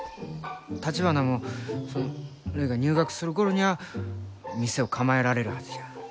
たちばなもるいが入学する頃にゃあ店を構えられるはずじゃ。